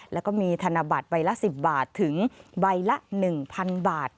แล้วก็มีธนบัตรใบละ๑๐บาทถึงใบละ๑๐๐๐บาท